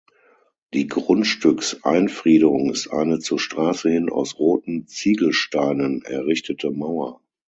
Die Grundstückseinfriedung ist eine zur Straße hin aus roten Ziegelsteinen errichtete Mauer.